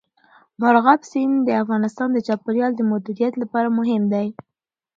مورغاب سیند د افغانستان د چاپیریال د مدیریت لپاره مهم دی.